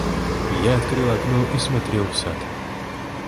Я открыл окно и смотрел в сад.